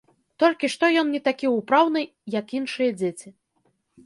Толькі што ён не такі ўпраўны, як іншыя дзеці.